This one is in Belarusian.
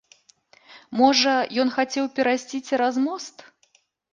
Можа, ён хацеў перайсці цераз мост?